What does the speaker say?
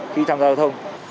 khi trong giao thông